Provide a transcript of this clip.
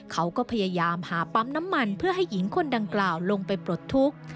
เขาก็พยายามหาปั๊มน้ำมันเพื่อให้หญิงคนดังกล่าวลงไปปลดทุกข์